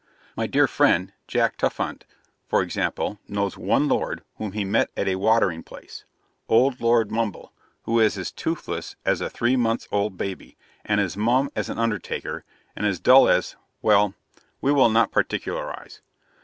My dear friend, Jack Tufthunt, for example, knows ONE Lord whom he met at a watering place: old Lord Mumble, who is as toothless as a three months old baby, and as mum as an undertaker, and as dull as well, we will not particularise.